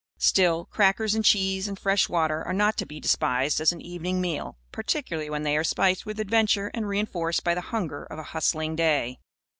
Still, crackers and cheese and fresh water are not to be despised as an evening meal particularly when they are spiced with adventure and reinforced by the hunger of a hustling day.